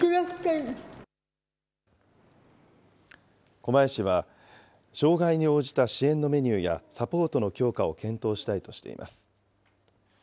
狛江市は、障害に応じた支援のメニューやサポートの強化を検討したいとしています。